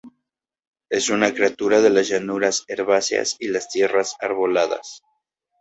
Es una criatura de las llanuras herbáceas y las tierras arboladas.